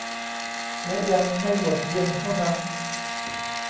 และยังไม่หมดเพียงเท่านั้น